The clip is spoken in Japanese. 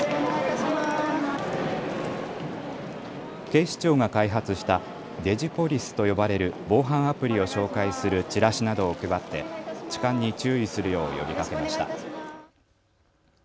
警視庁が開発したＤｉｇｉＰｏｌｉｃｅと呼ばれる防犯アプリを紹介するチラシなどを配って痴漢に注意するよう呼びかけました。